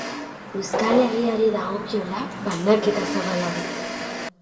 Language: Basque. Euskal Herriari dagokiola, banaketa zabala du.